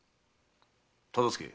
忠相。